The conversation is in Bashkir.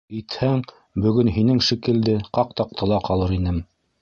- Итһәң, бөгөн һинең шикелде ҡаҡ таҡтала ҡалыр инем.